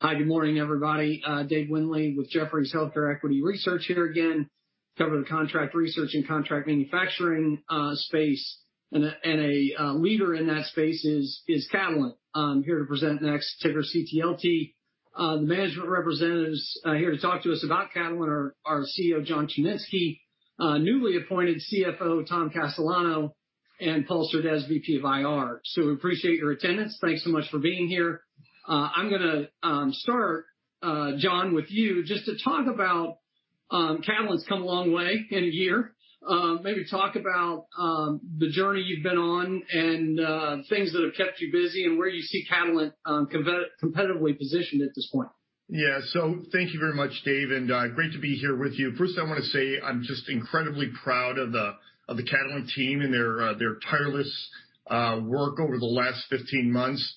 Hi, good morning, everybody. Dave Windley with Jefferies Healthcare Equity Research here again. I cover the contract research and contract manufacturing space, and a leader in that space is Catalent. I'm here to present next, ticker CTLT. The management representatives here to talk to us about Catalent are CEO John Chiminski, newly appointed CFO Tom Castellano, and Paul Surdez, VP of IR. So we appreciate your attendance. Thanks so much for being here. I'm going to start, John, with you just to talk about Catalent's come a long way in a year. Maybe talk about the journey you've been on and things that have kept you busy and where you see Catalent competitively positioned at this point. Yeah, so thank you very much, Dave, and great to be here with you. First, I want to say I'm just incredibly proud of the Catalent team and their tireless work over the last 15 months.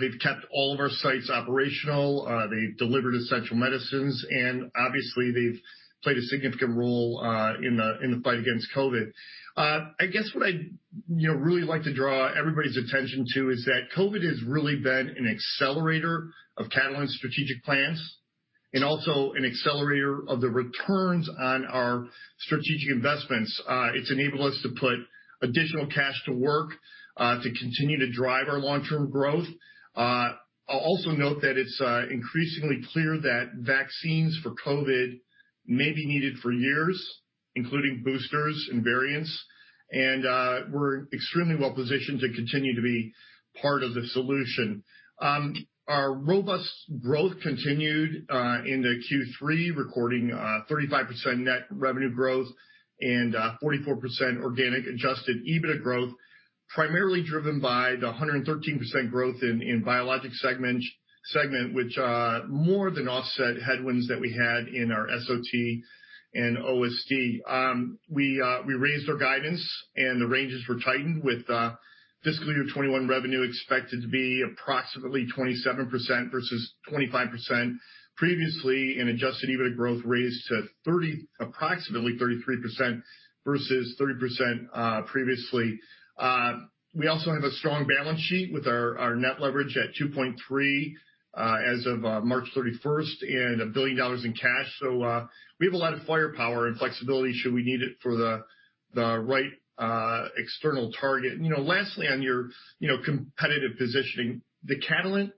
They've kept all of our sites operational. They delivered essential medicines. And obviously, they've played a significant role in the fight against COVID. I guess what I'd really like to draw everybody's attention to is that COVID has really been an accelerator of Catalent's strategic plans and also an accelerator of the returns on our strategic investments. It's enabled us to put additional cash to work to continue to drive our long-term growth. I'll also note that it's increasingly clear that vaccines for COVID may be needed for years, including boosters and variants. And we're extremely well positioned to continue to be part of the solution. Our robust growth continued in the Q3, recording 35% net revenue growth and 44% organic adjusted EBITDA growth, primarily driven by the 113% growth in Biologics segment, which more than offset headwinds that we had in our SOT and OST. We raised our guidance, and the ranges were tightened with fiscal year 2021 revenue expected to be approximately 27% versus 25% previously, an adjusted EBITDA growth raised to approximately 33% versus 30% previously. We also have a strong balance sheet with our net leverage at 2.3 as of March 31st and $1 billion in cash, so we have a lot of firepower and flexibility should we need it for the right external target, and lastly, on your competitive positioning, the Catalent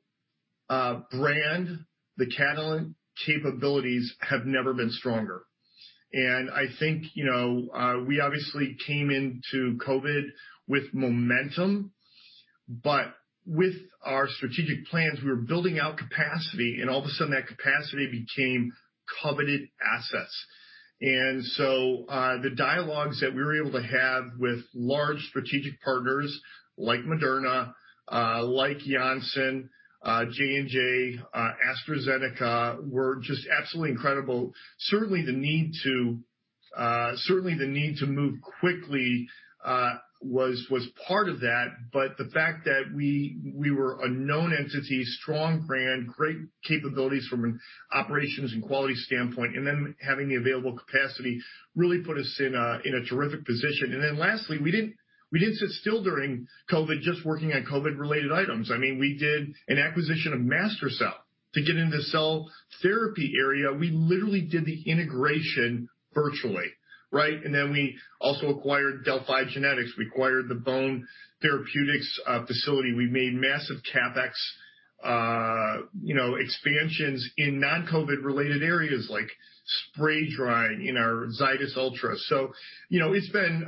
brand, the Catalent capabilities have never been stronger, and I think we obviously came into COVID with momentum. But with our strategic plans, we were building out capacity, and all of a sudden, that capacity became coveted assets. And so the dialogues that we were able to have with large strategic partners like Moderna, like Janssen, J&J, AstraZeneca were just absolutely incredible. Certainly, the need to move quickly was part of that. But the fact that we were a known entity, strong brand, great capabilities from an operations and quality standpoint, and then having the available capacity really put us in a terrific position. And then lastly, we didn't sit still during COVID just working on COVID-related items. I mean, we did an acquisition of MaSTherCell to get into the cell therapy area. We literally did the integration virtually, right? And then we also acquired Delphi Genetics. We acquired the Bone Therapeutics facility. We made massive CapEx expansions in non-COVID-related areas like spray drying in our Zydis Ultra. It's been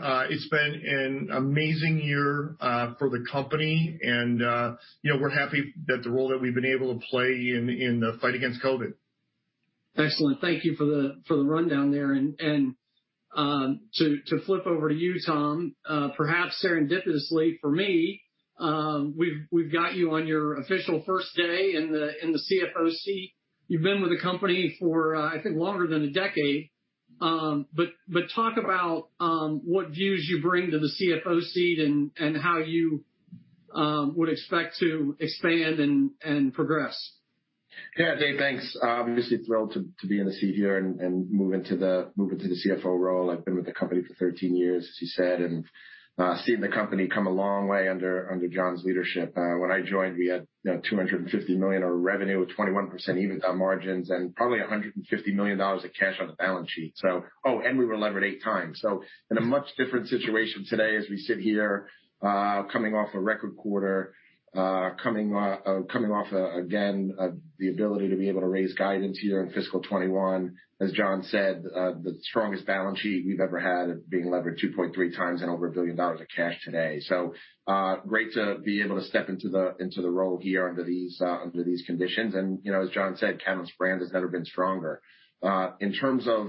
an amazing year for the company. We're happy that the role that we've been able to play in the fight against COVID. Excellent. Thank you for the rundown there. To flip over to you, Tom, perhaps serendipitously for me, we've got you on your official first day in the CFO seat. You've been with the company for, I think, longer than a decade. Talk about what views you bring to the CFO seat and how you would expect to expand and progress. Yeah, Dave, thanks. Obviously, thrilled to be in the seat here and move into the CFO role. I've been with the company for 13 years, as you said, and seen the company come a long way under John's leadership. When I joined, we had $250 million of revenue, 21% EBITDA margins, and probably $150 million of cash on the balance sheet. Oh, and we were levered eight times. We are in a much different situation today as we sit here, coming off a record quarter, coming off, again, the ability to be able to raise guidance here in fiscal 2021. As John said, the strongest balance sheet we've ever had being levered 2.3 times and over $1 billion of cash today. Great to be able to step into the role here under these conditions. And as John said, Catalent's brand has never been stronger. In terms of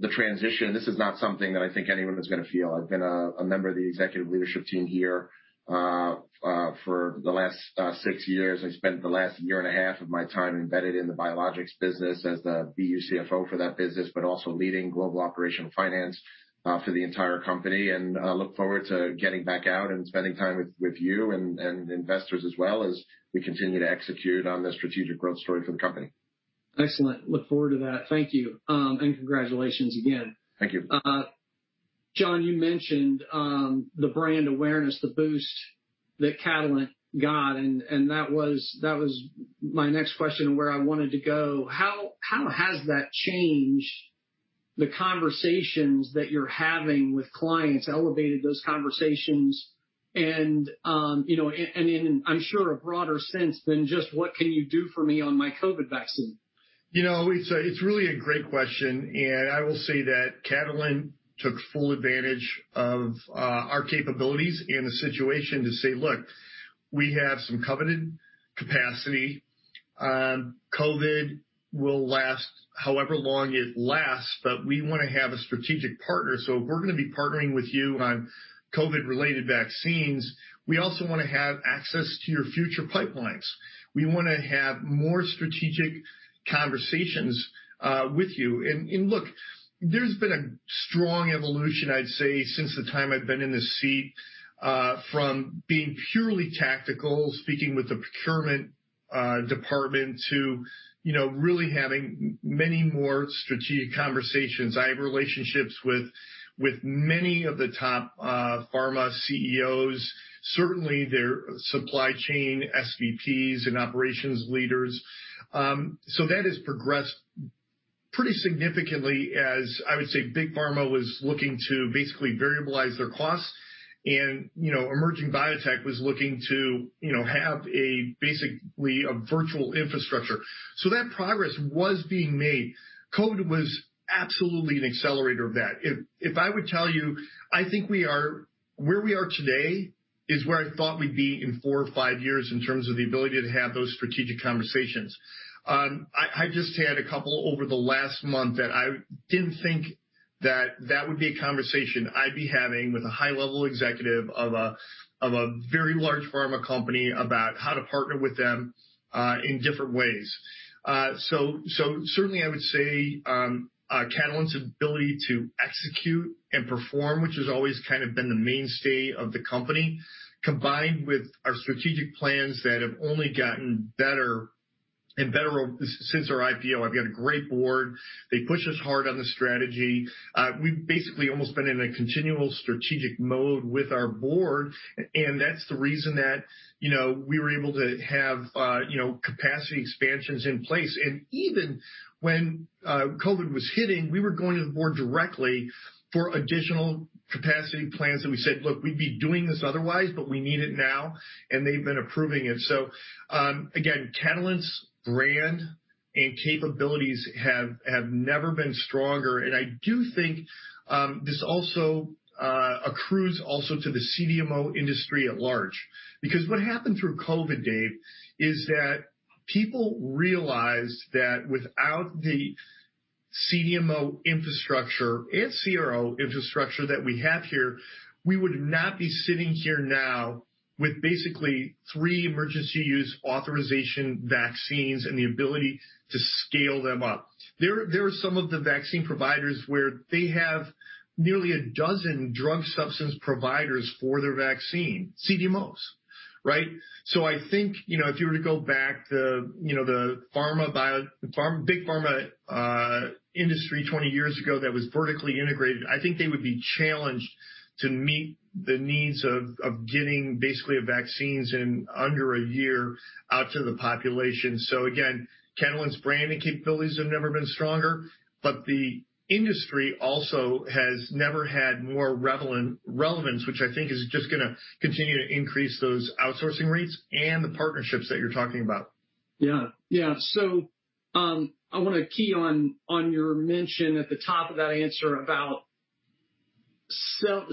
the transition, this is not something that I think anyone is going to feel. I've been a member of the executive leadership team here for the last six years. I spent the last year and a half of my time embedded in the Biologics business as the BU CFO for that business, but also leading global operational finance for the entire company, and I look forward to getting back out and spending time with you and investors as well as we continue to execute on the strategic growth story for the company. Excellent. Look forward to that. Thank you and congratulations again. Thank you. John, you mentioned the brand awareness, the boost that Catalent got, and that was my next question of where I wanted to go. How has that changed the conversations that you're having with clients, elevated those conversations, and in, I'm sure, a broader sense than just, "What can you do for me on my COVID vaccine? You know, it's really a great question, and I will say that Catalent took full advantage of our capabilities and the situation to say, "Look, we have some coveted capacity. COVID will last however long it lasts, but we want to have a strategic partner. So if we're going to be partnering with you on COVID-related vaccines, we also want to have access to your future pipelines. We want to have more strategic conversations with you," and look, there's been a strong evolution, I'd say, since the time I've been in this seat from being purely tactical, speaking with the procurement department, to really having many more strategic conversations. I have relationships with many of the top pharma CEOs, certainly their supply chain SVPs and operations leaders, so that has progressed pretty significantly as, I would say, big pharma was looking to basically variabilize their costs. And emerging biotech was looking to have basically a virtual infrastructure. So that progress was being made. COVID was absolutely an accelerator of that. If I would tell you, I think where we are today is where I thought we'd be in four or five years in terms of the ability to have those strategic conversations. I just had a couple over the last month that I didn't think that that would be a conversation I'd be having with a high-level executive of a very large pharma company about how to partner with them in different ways. So certainly, I would say Catalent's ability to execute and perform, which has always kind of been the mainstay of the company, combined with our strategic plans that have only gotten better and better since our IPO. I've got a great board. They push us hard on the strategy. We've basically almost been in a continual strategic mode with our board. And that's the reason that we were able to have capacity expansions in place. And even when COVID was hitting, we were going to the board directly for additional capacity plans that we said, "Look, we'd be doing this otherwise, but we need it now." And they've been approving it. So again, Catalent's brand and capabilities have never been stronger. And I do think this also accrues to the CDMO industry at large. Because what happened through COVID, Dave, is that people realized that without the CDMO infrastructure and CRO infrastructure that we have here, we would not be sitting here now with basically three Emergency Use Authorization vaccines and the ability to scale them up. There are some of the vaccine providers where they have nearly a dozen drug substance providers for their vaccine, CDMOs, right? So I think if you were to go back to the big Pharma industry 20 years ago that was vertically integrated, I think they would be challenged to meet the needs of getting basically vaccines in under a year out to the population. So again, Catalent's brand and capabilities have never been stronger. But the industry also has never had more relevance, which I think is just going to continue to increase those outsourcing rates and the partnerships that you're talking about. Yeah. Yeah, so I want to key on your mention at the top of that answer about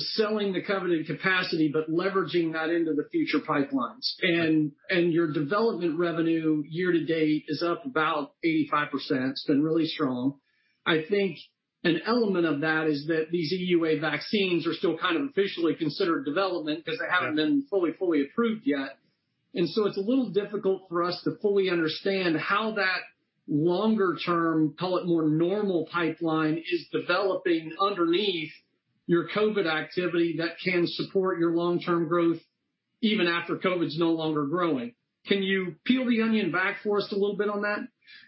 selling the coveted capacity, but leveraging that into the future pipelines. And your development revenue year to date is up about 85%. It's been really strong. I think an element of that is that these EUA vaccines are still kind of officially considered development because they haven't been fully, fully approved yet. And so it's a little difficult for us to fully understand how that longer-term, call it more normal pipeline is developing underneath your COVID activity that can support your long-term growth even after COVID's no longer growing. Can you peel the onion back for us a little bit on that?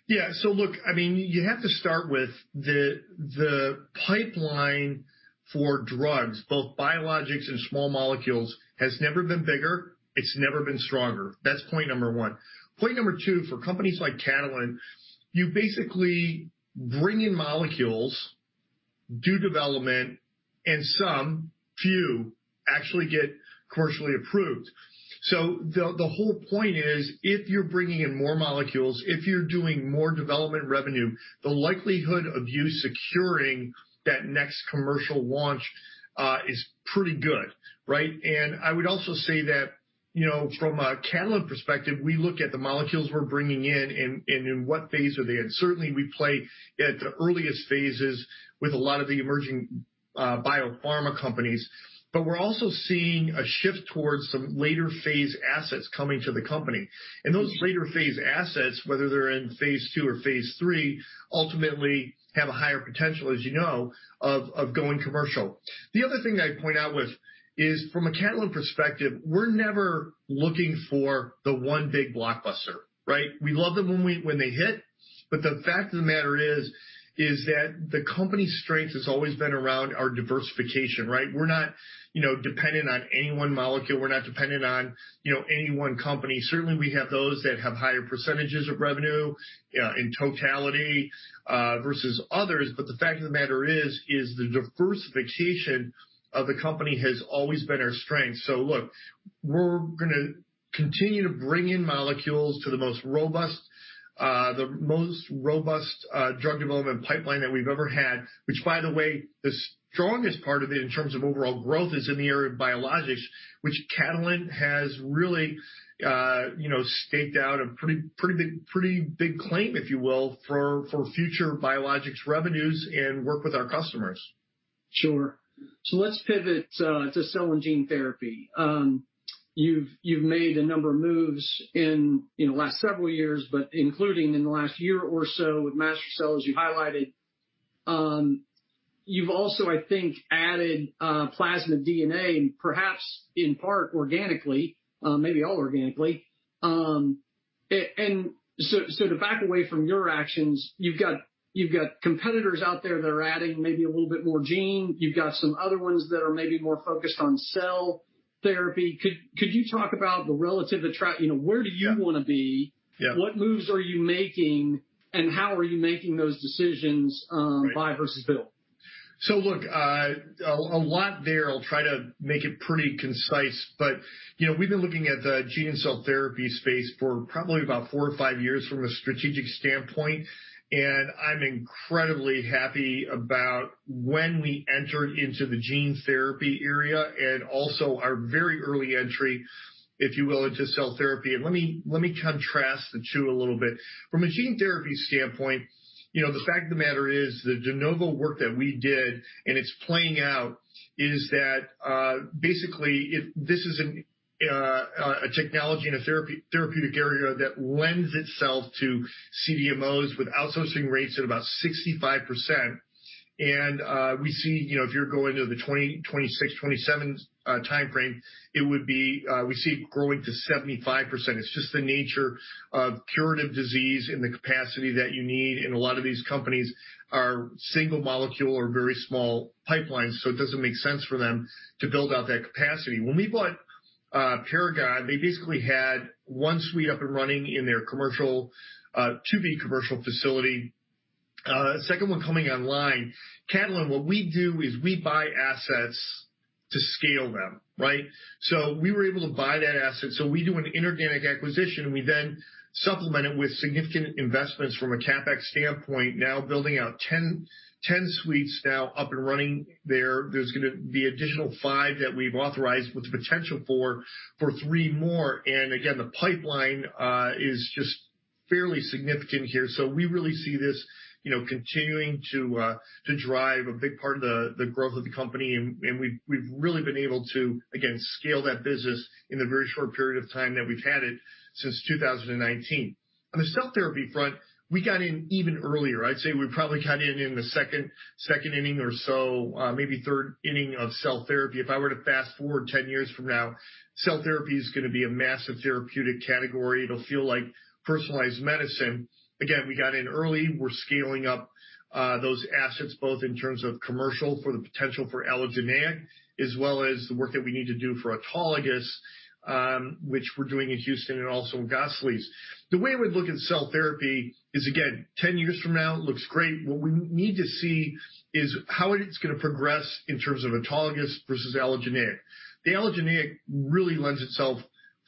Yeah. So look, I mean, you have to start with the pipeline for drugs, both biologics and small molecules has never been bigger. It's never been stronger. That's point number one. Point number two, for companies like Catalent, you basically bring in molecules, do development, and some few actually get commercially approved. So the whole point is, if you're bringing in more molecules, if you're doing more development revenue, the likelihood of you securing that next commercial launch is pretty good, right? And I would also say that from a Catalent perspective, we look at the molecules we're bringing in and in what phase are they in. Certainly, we play at the earliest phases with a lot of the emerging biopharma companies, but we're also seeing a shift towards some later-phase assets coming to the company. And those later-phase assets, whether they're in phase II or phase III, ultimately have a higher potential, as you know, of going commercial. The other thing I'd point out with is from a Catalent perspective, we're never looking for the one big blockbuster, right? We love them when they hit. But the fact of the matter is that the company's strength has always been around our diversification, right? We're not dependent on any one molecule. We're not dependent on any one company. Certainly, we have those that have higher percentages of revenue in totality versus others. But the fact of the matter is that the diversification of the company has always been our strength. So look, we're going to continue to bring in molecules to the most robust drug development pipeline that we've ever had, which, by the way, the strongest part of it in terms of overall growth is in the area of biologics, which Catalent has really staked out a pretty big claim, if you will, for future biologics revenues and work with our customers. Sure, so let's pivot to cell and gene therapy. You've made a number of moves in the last several years, but including in the last year or so with MaSTherCell, as you highlighted. You've also, I think, added plasmid DNA, perhaps in part organically, maybe all organically. And so to back away from your actions, you've got competitors out there that are adding maybe a little bit more gene. You've got some other ones that are maybe more focused on cell therapy. Could you talk about the relative attraction? Where do you want to be? What moves are you making, and how are you making those decisions, buy versus build? So look, a lot there. I'll try to make it pretty concise. But we've been looking at the gene and cell therapy space for probably about four or five years from a strategic standpoint. And I'm incredibly happy about when we entered into the gene therapy area and also our very early entry, if you will, into cell therapy. And let me contrast the two a little bit. From a gene therapy standpoint, the fact of the matter is the de novo work that we did and it's playing out is that basically this is a technology and a therapeutic area that lends itself to CDMOs with outsourcing rates at about 65%. And we see if you're going to the 2026, 2027 timeframe, it would be we see it growing to 75%. It's just the nature of curative disease in the capacity that you need. And a lot of these companies are single molecule or very small pipelines. So it doesn't make sense for them to build out that capacity. When we bought Paragon, they basically had one suite up and running in their 2B commercial facility. Second one coming online. Catalent, what we do is we buy assets to scale them, right? So we were able to buy that asset. So we do an inorganic acquisition. We then supplement it with significant investments from a CapEx standpoint, now building out 10 suites now up and running there. There's going to be additional five that we've authorized with the potential for three more. And again, the pipeline is just fairly significant here. So we really see this continuing to drive a big part of the growth of the company. We've really been able to, again, scale that business in the very short period of time that we've had it since 2019. On the cell therapy front, we got in even earlier. I'd say we probably got in in the second inning or so, maybe third inning of cell therapy. If I were to fast forward 10 years from now, cell therapy is going to be a massive therapeutic category. It'll feel like personalized medicine. Again, we got in early. We're scaling up those assets, both in terms of commercial for the potential for allogeneic, as well as the work that we need to do for autologous, which we're doing in Houston and also in Gosselies. The way we'd look at cell therapy is, again, 10 years from now, it looks great. What we need to see is how it's going to progress in terms of autologous versus allogeneic. The allogeneic really lends itself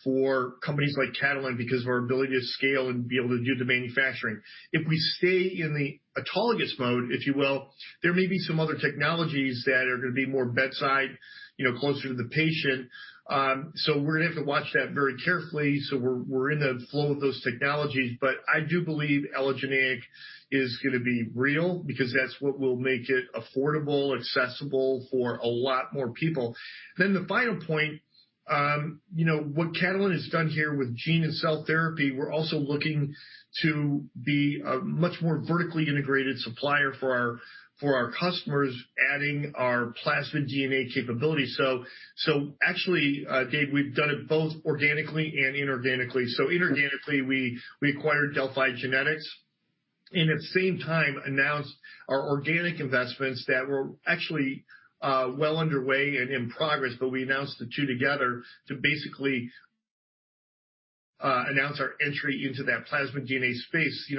for companies like Catalent because of our ability to scale and be able to do the manufacturing. If we stay in the autologous mode, if you will, there may be some other technologies that are going to be more bedside, closer to the patient, so we're going to have to watch that very carefully, so we're in the flow of those technologies, but I do believe allogeneic is going to be real because that's what will make it affordable, accessible for a lot more people, then the final point, what Catalent has done here with gene and cell therapy, we're also looking to be a much more vertically integrated supplier for our customers, adding our plasmid DNA capability, so actually, Dave, we've done it both organically and inorganically. Inorganically, we acquired Delphi Genetics and at the same time announced our organic investments that were actually well underway and in progress. We announced the two together to basically announce our entry into that plasmid DNA space.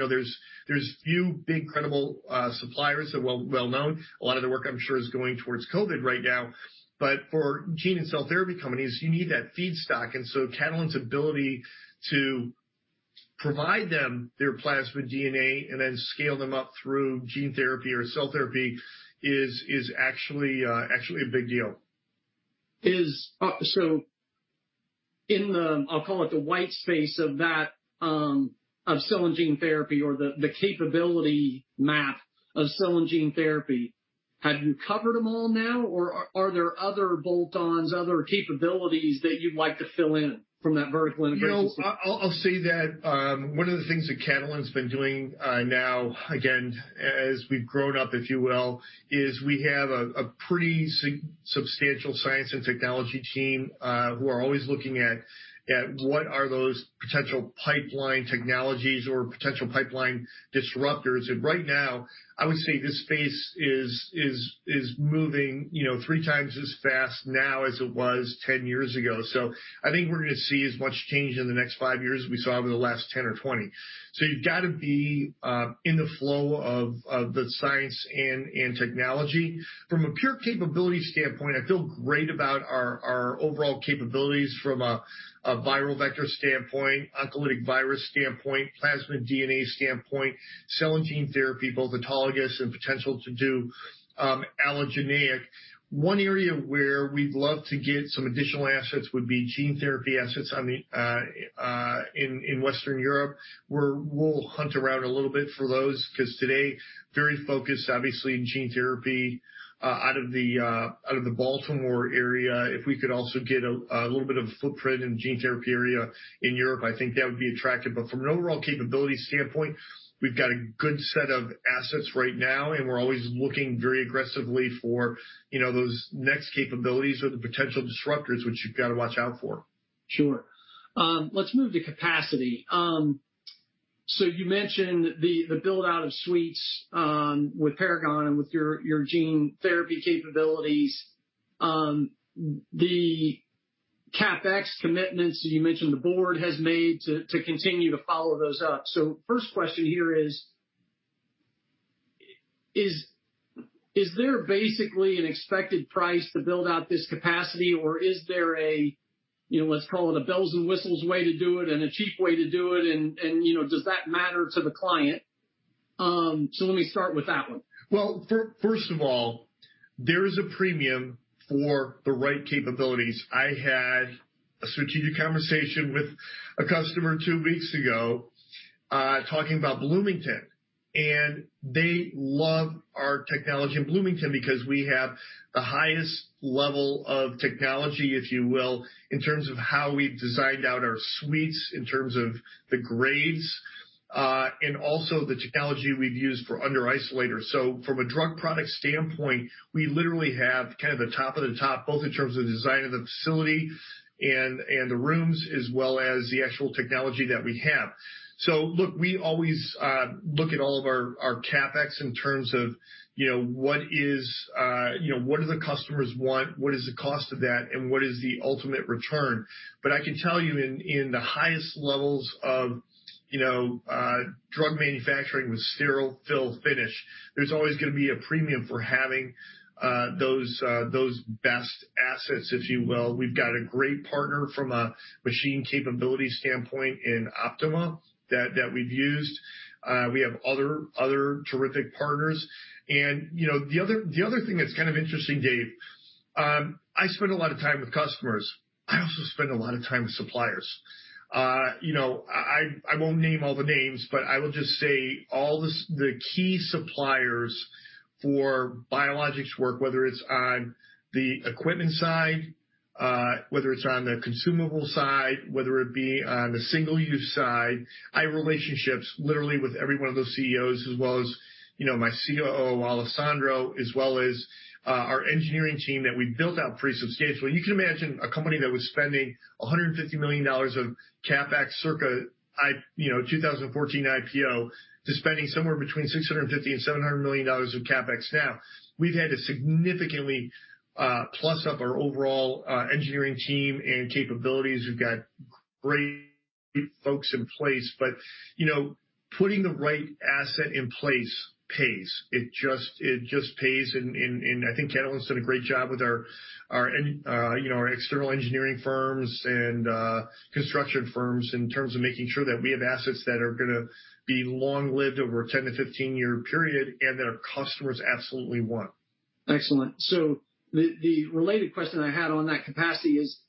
There's few big credible suppliers that are well known. A lot of the work, I'm sure, is going towards COVID right now. For gene and cell therapy companies, you need that feedstock. Catalent's ability to provide them their plasmid DNA and then scale them up through gene therapy or cell therapy is actually a big deal. So in the, I'll call it the white space of cell and gene therapy or the capability map of cell and gene therapy, have you covered them all now? Or are there other bolt-ons, other capabilities that you'd like to fill in from that vertical integration? I'll say that one of the things that Catalent's been doing now, again, as we've grown up, if you will, is we have a pretty substantial science and technology team who are always looking at what are those potential pipeline technologies or potential pipeline disruptors. And right now, I would say this space is moving three times as fast now as it was 10 years ago. So I think we're going to see as much change in the next five years as we saw over the last 10 or 20. So you've got to be in the flow of the science and technology. From a pure capability standpoint, I feel great about our overall capabilities from a viral vector standpoint, oncolytic virus standpoint, plasmid DNA standpoint, cell and gene therapy, both autologous and potential to do allogeneic. One area where we'd love to get some additional assets would be gene therapy assets in Western Europe, where we'll hunt around a little bit for those because today, very focused, obviously, in gene therapy out of the Baltimore area. If we could also get a little bit of a footprint in the gene therapy area in Europe, I think that would be attractive. But from an overall capability standpoint, we've got a good set of assets right now. And we're always looking very aggressively for those next capabilities or the potential disruptors, which you've got to watch out for. Sure. Let's move to capacity. So you mentioned the build-out of suites with Paragon and with your gene therapy capabilities, the CapEx commitments that you mentioned the board has made to continue to follow those up. So first question here is, is there basically an expected price to build out this capacity? Or is there a, let's call it a bells and whistles way to do it and a cheap way to do it? And does that matter to the client? So let me start with that one. First of all, there is a premium for the right capabilities. I had a strategic conversation with a customer two weeks ago talking about Bloomington. They love our technology in Bloomington because we have the highest level of technology, if you will, in terms of how we've designed out our suites, in terms of the grades, and also the technology we've used for under-isolators. From a drug product standpoint, we literally have kind of the top of the top, both in terms of the design of the facility and the rooms, as well as the actual technology that we have. Look, we always look at all of our CapEx in terms of what do the customers want? What is the cost of that? And what is the ultimate return? But I can tell you in the highest levels of drug manufacturing with sterile fill-finish, there's always going to be a premium for having those best assets, if you will. We've got a great partner from a machine capability standpoint in Optima that we've used. We have other terrific partners. And the other thing that's kind of interesting, Dave, I spend a lot of time with customers. I also spend a lot of time with suppliers. I won't name all the names, but I will just say all the key suppliers for biologics work, whether it's on the equipment side, whether it's on the consumable side, whether it be on the single-use side. I have relationships literally with every one of those CEOs, as well as my COO, Alessandro, as well as our engineering team that we built out pretty substantially. You can imagine a company that was spending $150 million of CapEx circa 2014 IPO to spending somewhere between $650 and $700 million of CapEx now. We've had to significantly plus up our overall engineering team and capabilities. We've got great folks in place. But putting the right asset in place pays. It just pays. And I think Catalent's done a great job with our external engineering firms and construction firms in terms of making sure that we have assets that are going to be long-lived over a 10 to 15-year period and that our customers absolutely want. Excellent. So the related question I had on that capacity is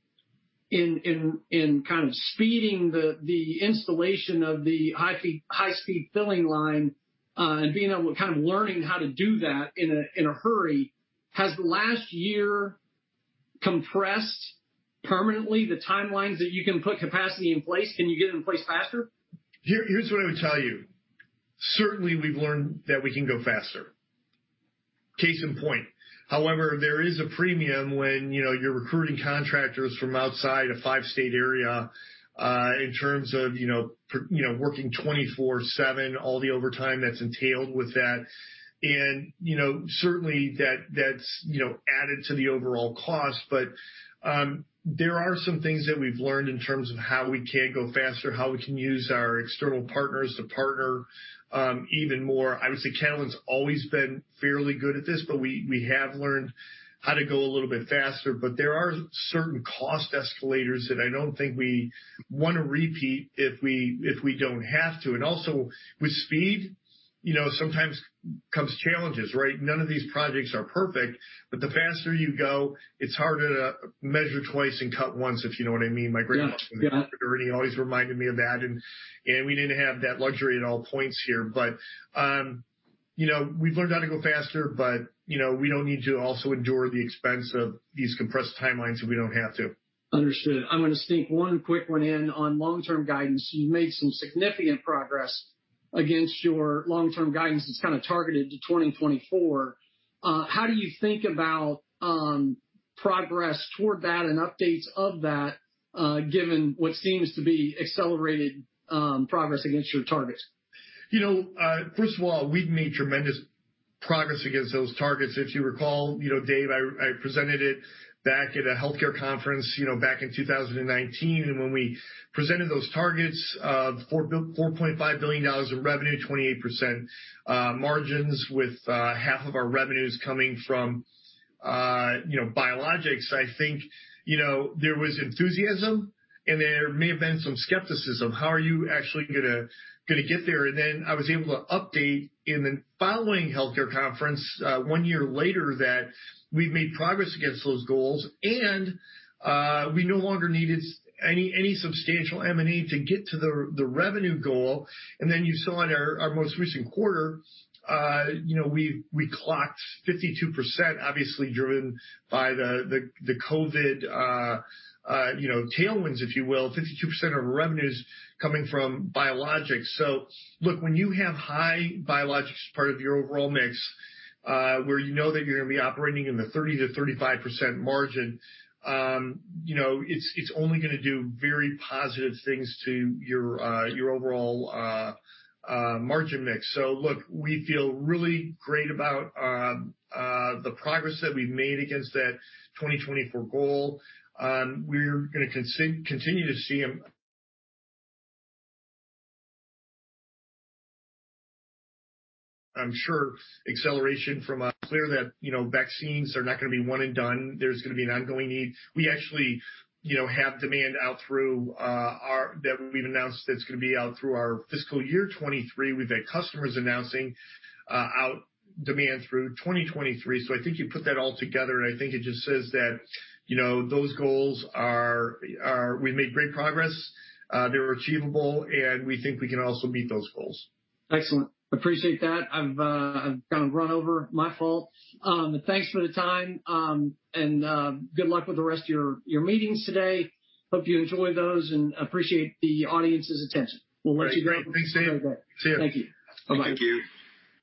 in kind of speeding the installation of the high-speed filling line and being able to kind of learning how to do that in a hurry, has the last year compressed permanently the timelines that you can put capacity in place? Can you get it in place faster? Here's what I would tell you. Certainly, we've learned that we can go faster. Case in point. However, there is a premium when you're recruiting contractors from outside a five-state area in terms of working 24/7, all the overtime that's entailed with that, and certainly, that's added to the overall cost, but there are some things that we've learned in terms of how we can go faster, how we can use our external partners to partner even more. I would say Catalent's always been fairly good at this, but we have learned how to go a little bit faster, but there are certain cost escalators that I don't think we want to repeat if we don't have to, and also, with speed, sometimes comes challenges, right? None of these projects are perfect. But the faster you go, it's harder to measure twice and cut once, if you know what I mean. My grandma from Northern Ireland always reminded me of that. And we didn't have that luxury at all points here. But we've learned how to go faster, but we don't need to also endure the expense of these compressed timelines if we don't have to. Understood. I'm going to sneak one quick one in on long-term guidance. You've made some significant progress against your long-term guidance. It's kind of targeted to 2024. How do you think about progress toward that and updates of that, given what seems to be accelerated progress against your targets? First of all, we've made tremendous progress against those targets. If you recall, Dave, I presented it back at a healthcare conference back in 2019. And when we presented those targets of $4.5 billion of revenue, 28% margins with half of our revenues coming from biologics, I think there was enthusiasm, and there may have been some skepticism. How are you actually going to get there? And then I was able to update in the following healthcare conference, one year later, that we've made progress against those goals. And we no longer needed any substantial M&A to get to the revenue goal. And then you saw in our most recent quarter, we clocked 52%, obviously driven by the COVID tailwinds, if you will, 52% of revenues coming from biologics. So look, when you have high biologics as part of your overall mix, where you know that you're going to be operating in the 30%-35% margin, it's only going to do very positive things to your overall margin mix. So look, we feel really great about the progress that we've made against that 2024 goal. We're going to continue to see, I'm sure, acceleration from clear that vaccines are not going to be one and done. There's going to be an ongoing need. We actually have demand out through that we've announced that's going to be out through our fiscal year 2023. We've had customers announcing out demand through 2023. So I think you put that all together, and I think it just says that those goals are we've made great progress. They're achievable, and we think we can also meet those goals. Excellent. Appreciate that. I've kind of run over, my fault. Thanks for the time, and good luck with the rest of your meetings today. Hope you enjoy those and appreciate the audience's attention. We'll let you go. Thanks, Dave. Have a great day. See you. Thank you. Bye-bye. Thank you.